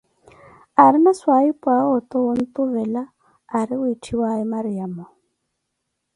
Aarina swahiphuʼawe oto wontuvela aari wiitthiwaaye Mariamo.